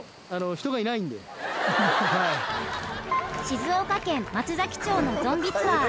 静岡県松崎町のゾンビツアー。